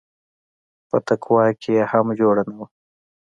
په تقوا کښې يې هم جوړه نه وه.